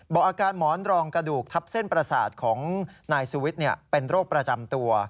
บอกอาการหมอนรองกระดูกทับเส้นประสาทของนายสุวิทย์เป็นโรคประจำตัว